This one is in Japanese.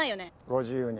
ご自由に。